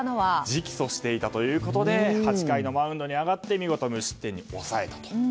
直訴していたということで８回のマウンドに上がって見事、無失点に抑えたと。